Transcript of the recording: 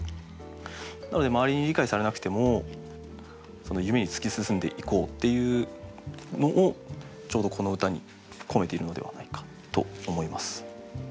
なので周りに理解されなくても夢に突き進んでいこうっていうのをちょうどこの歌に込めているのではないかと思います。